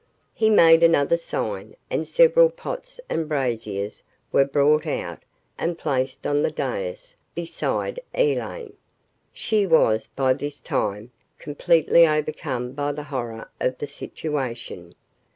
He made another sign and several pots and braziers were brought out and placed on the dais beside Elaine. She was, by this time, completely overcome by the horror of the situation.